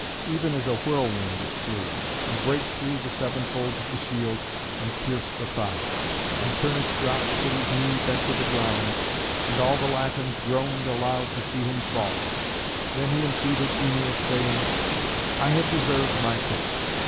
Even as a whirlwind it flew, and brake through the seven folds of the shield and pierced the thigh. And Turnus dropped with his knee bent to the ground. And all the Latins groaned aloud to see him fall. Then he entreated Æneas, saying, "I have deserved my fate.